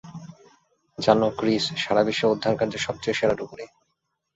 জানো, ক্রিস, সারাবিশ্বে উদ্ধারকার্যে সবচেয়ে সেরা ডুবুরি।